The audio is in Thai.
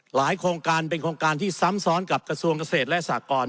โครงการเป็นโครงการที่ซ้ำซ้อนกับกระทรวงเกษตรและสากร